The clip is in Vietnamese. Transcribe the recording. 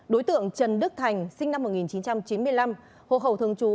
đối tượng trần đức thành sinh năm một nghìn chín trăm chín mươi năm hộ khẩu thường trú